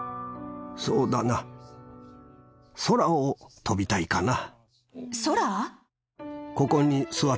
そうだな、空を飛びたいかな。